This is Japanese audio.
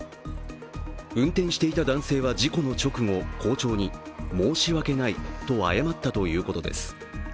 運転していた男性は事故の直後、校長に申し訳ないと謝ったということです。